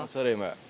selamat sore mbak